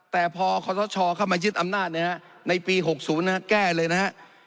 แต่พอขอสชเข้ามายึดอำนาจนะฮะในปีหกศูนย์นะฮะแก้เลยนะฮะ